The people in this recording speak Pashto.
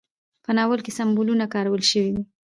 په ناول کې سمبولونه کارول شوي دي.